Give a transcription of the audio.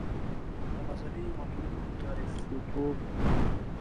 د مذهبي متنونو تاریخیتوب مني.